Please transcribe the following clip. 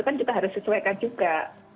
kan kita harus sesuaikan juga